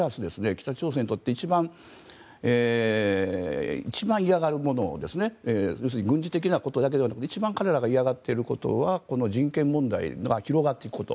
北朝鮮にとって一番嫌がるものを要するに軍事的なことだけではなくて一番彼らが嫌がっていることはこの人権問題が広がっていくこと